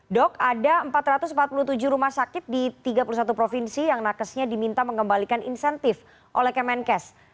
dok ada empat ratus empat puluh tujuh rumah sakit di tiga puluh satu provinsi yang nakesnya diminta mengembalikan insentif oleh kemenkes